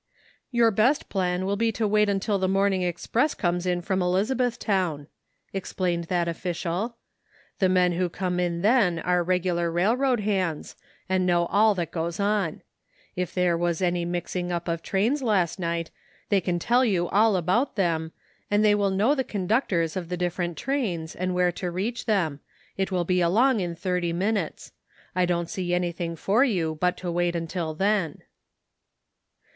"Your best plan will be to wait till the morn ing express comes in from Elizabethtown," ex plained that official. " The men who come in then are regular railroad hands, and know all WAITING. 121 that goes on ; if there was any mixing up of trains last night they can tell you all about them, and they will know the conductors of the different trains and where to reach them; it will be along in thirty minutes. I don't see anything for you but to wait until then."